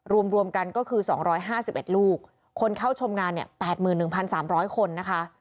รวมรวมกันก็คือสองร้อยห้าสิบเอ็ดลูกคนเข้าชมงานเนี้ยแปดหมื่นหนึ่งพันสามร้อยคนนะคะ